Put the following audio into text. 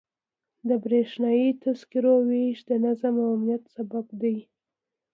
د بریښنایي تذکرو ویش د نظم او امنیت سبب دی.